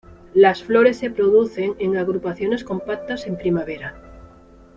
Las flores se producen en agrupaciones compactas en primavera.